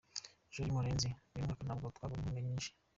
Jolie Murenzi: Uyu mwaka ntabwo twabonye inkunga nyinshi.